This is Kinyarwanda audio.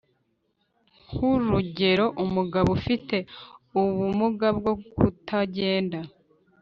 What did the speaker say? Nk’urugero umugore ufite ubumuga bwo kutagenda.